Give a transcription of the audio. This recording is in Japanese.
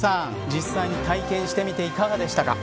実際に体験してみていかがでしたか。